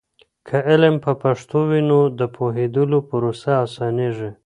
که علم په پښتو وي، نو د پوهیدلو پروسه اسانېږي.